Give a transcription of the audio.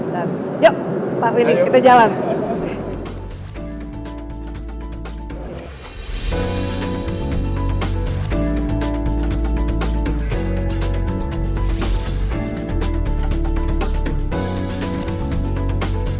dan yuk pak win kita jalan